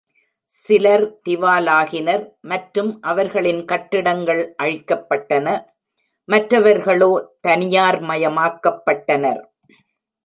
சிலர் திவாலாகினர் மற்றும் அவர்களின் கட்டிடங்கள் அழிக்கப்பட்டன; மற்றவர்களோ தனியார்மயமாக்கப்பட்டனர்.